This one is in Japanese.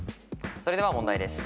それでは問題です。